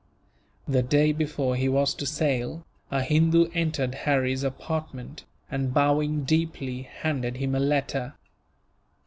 The day before he was to sail, a Hindu entered Harry's apartment and, bowing deeply, handed him a letter.